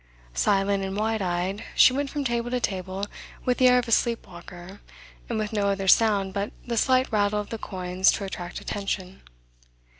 Silent and wide eyed she went from table to table with the air of a sleep walker and with no other sound but the slight rattle of the coins to attract attention.